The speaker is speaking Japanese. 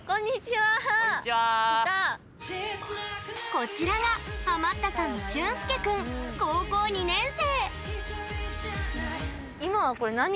こちらが、ハマったさんのしゅんすけ君、高校２年生。